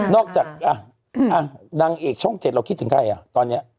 นอกจากอะนางเอกช่องเจ็ดเราคิดถึงใครเอ่ะตอนเนี่ย